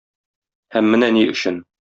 Һәм менә ни өчен.